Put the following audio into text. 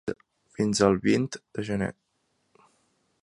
Fins el vint de gener.